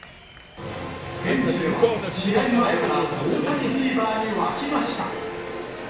現地では、試合前から大谷フィーバーに沸きました。